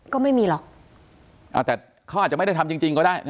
ก็ไม่มีหรอกแต่เขาอาจจะไม่ได้ทำจริงก็ได้